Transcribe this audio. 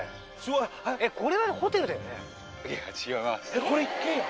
えっこれ一軒家？